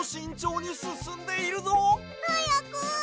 はやく！